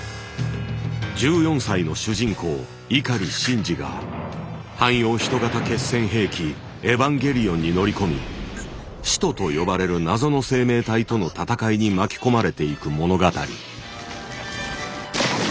１４歳の主人公「碇シンジ」が汎用人型決戦兵器「エヴァンゲリオン」に乗り込み「使徒」と呼ばれる謎の生命体との戦いに巻き込まれていく物語。